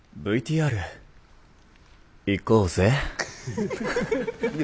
ＶＴＲいこうぜ。